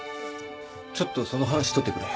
ちょっとその半紙取ってくれ。